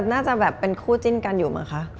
น่าจะแบบเป็นคู่จิ้นกันอยู่มั้งคะ